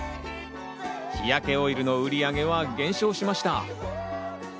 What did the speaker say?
日焼けオイルの売り上げは減少しました。